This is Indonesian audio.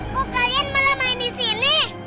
kok kalian malah main di sini